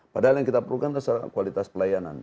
padahal yang kita perlukan adalah kualitas pelayanan